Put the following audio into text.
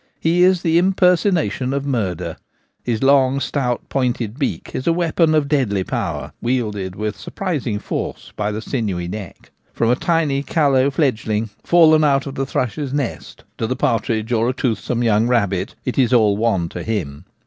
He is the impersonation of murder. His long, stout, pointed beak is a weapon of deadly power, wielded with surprising force by the sinewy neck. From a tiny callow fledgling, fallen out of the thrush's nest, to the partridge or a toothsome young rabbit, it is all one to him.